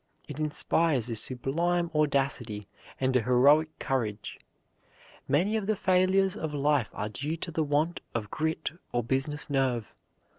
It inspires a sublime audacity and a heroic courage. Many of the failures of life are due to the want of grit or business nerve.